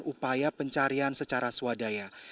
upaya pencarian secara swadaya